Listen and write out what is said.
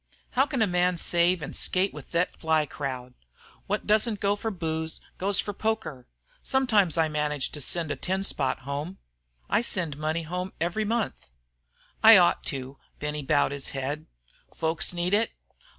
"How can a man save an' skate with thet fly crowd? What doesn't go for booze goes for poker. Sometimes I manage to send a ten spot home." "I send money home every month." "I ought to," Benny bowed his head. "Folks need it?"